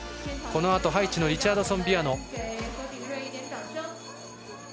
このあとハイチのリチャードソン・ビアノ。